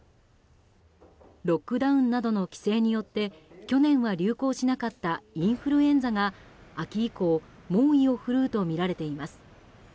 ロックダウンなどの規制によって去年は流行しなかったインフルエンザが秋以降猛威を振るうとみられています。